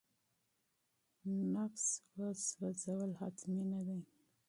نفس وسوځول حتمي نه دي.